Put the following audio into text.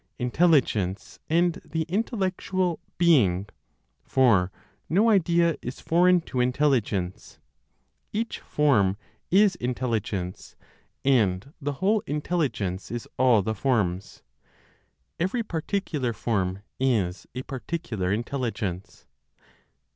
Intelligence and the intellectual "being," for no idea is foreign to intelligence; each form is intelligence, and the whole intelligence is all the forms; every particular form is a particular intelligence.